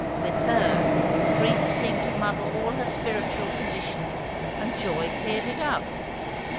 With her, grief seemed to muddle all her spiritual condition, and joy cleared it up.